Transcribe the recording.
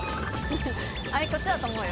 こっちだと思うよ。